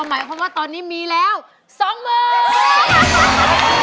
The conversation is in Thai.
หมายความว่าตอนนี้มีแล้ว๒หมื่น